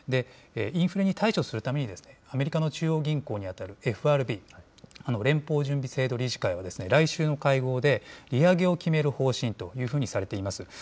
インフレに対処するために、アメリカの中央銀行に当たるＦＲＢ・連邦準備制度理事会は、来週の会合で、利上げを決める方針というふうにされています。